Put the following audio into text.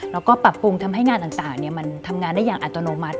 แล้วก็ปรับปรุงทำให้งานต่างมันทำงานได้อย่างอัตโนมัติ